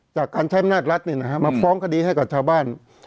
จากการใช้มนาฬรัฐเนี่ยนะฮะมาฟ้องคดีให้กับชาวบ้าน